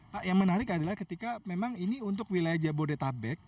pak yang menarik adalah ketika memang ini untuk wilayah jabodetabek